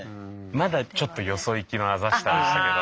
まだちょっとよそ行きの「あざした」でしたけど。